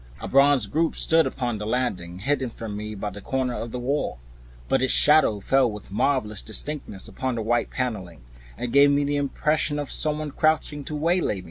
A bronze group stood upon the landing hidden from me by a corner of the wall; but its shadow fell with marvelous distinctness upon the white paneling, and gave me the impression of some one crouching to waylay me.